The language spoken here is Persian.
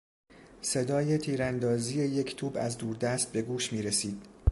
صدای تیراندازی یک توپ از دوردست به گوش میرسید.